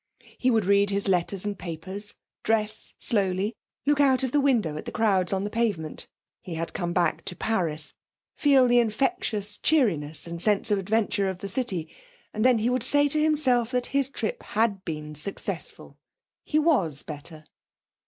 He would read his letters and papers, dress slowly, look out of the window at the crowds on the pavement he had come back to Paris feel the infectious cheeriness and sense of adventure of the city; then he would say to himself that his trip had been successful. He was better.